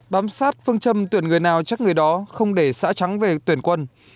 bám sát phương châm tuyển người nào chắc người đó không để xã trắng về tuyển quân